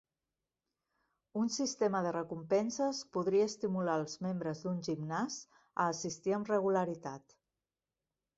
Un sistema de recompenses podria estimular els membres d'un gimnàs a assistir amb regularitat.